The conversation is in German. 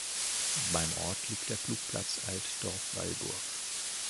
Beim Ort liegt der Flugplatz Altdorf-Wallburg.